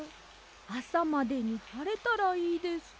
あさまでにはれたらいいですけど。